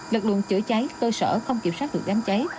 lật luận chữa cháy cơ sở không kiểm soát được đám cháy